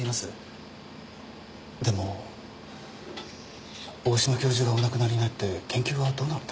でも大島教授がお亡くなりになって研究はどうなるんだ？